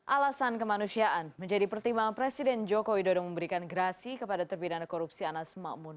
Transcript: alasan kemanusiaan menjadi pertimbangan presiden joko widodo memberikan gerasi kepada terpidana korupsi anas makmun